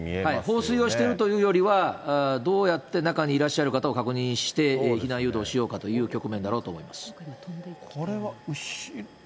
放水をしているというよりは、どうやって中にいらっしゃる方を確認して、避難誘導しようかといこれは後ろ？